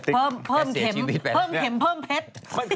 เพิ่มเข็มเพิ่มเข็มเพิ่มเพชร